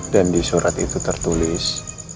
dan di surat itu tertulis